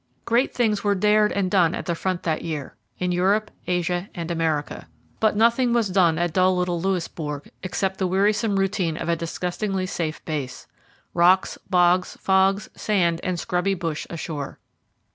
Great things were dared and done at the front that year, in Europe, Asia, and America. But nothing was done at dull little Louisbourg, except the wearisome routine of a disgustingly safe base. Rocks, bogs, fogs, sand, and scrubby bush ashore.